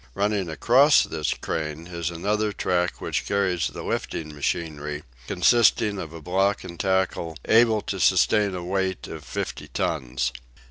Running across this crane is another track which carries the lifting machinery, consisting of block and tackle, able to sustain a weight of fifty tons.